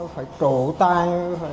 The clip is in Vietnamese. phải trổ tay